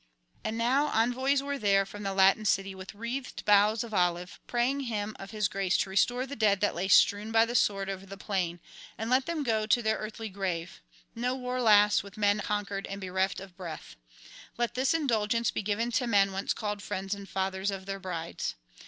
And now envoys were there from the Latin city with wreathed boughs of olive, praying him of his grace to restore the dead that lay strewn by the sword over the plain, and let them go to their earthy grave: no war lasts with men conquered and bereft of breath; let this indulgence be given to men once called friends and fathers of their brides.